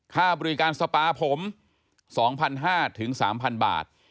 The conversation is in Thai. ค่าบริการสปาผมสองพันห้าถึงสามพันบาท